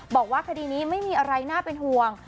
บอกว่าคดีนี้ไม่มีอะไรน่าเป็นห่วง